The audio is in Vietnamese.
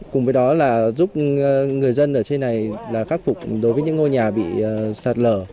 cùng với đó là giúp người dân ở trên này khắc phục đối với những ngôi nhà bị sạt lở